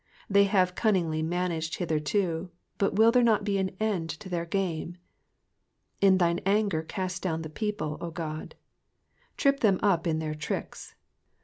They have cunningly managed hitherto, but will there not be an end to their games ? /n thine anger cast down the people, O Ood,'''* Trip them up in their tricks.